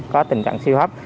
có tình trạng siêu hấp